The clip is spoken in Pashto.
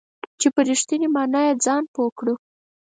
چې په رښتینې معنا یې ځان پوه کړو .